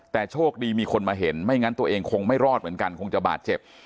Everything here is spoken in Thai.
แต่โชคดีมีคนมาเห็นไม่งั้นตัวเองคงไม่รอดเหมือนกันคงจะบาดเจ็บ